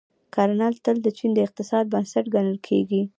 کرنه تل د چین د اقتصاد بنسټ ګڼل کیږي.